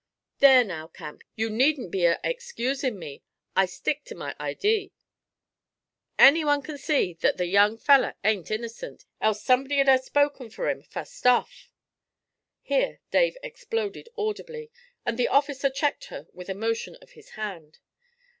'There now, Camp, you needn't be a excusin' me! I stick ter my idee. Anyone can see that the young feller ain't innocent, else somebody'd 'a' spoke fur him, fust off ' Here Dave exploded audibly, and the officer checked her with a motion of his hand.